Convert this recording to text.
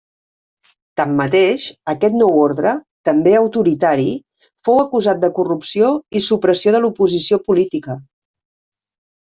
Tanmateix, aquest Nou Ordre, també autoritari, fou acusat de corrupció i supressió de l'oposició política.